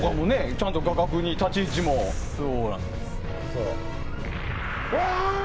ちゃんと画角に、立ち位置もね。